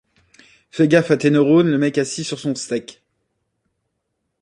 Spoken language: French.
Fais gaffe à tes neurones, Le mec assis sur son steak.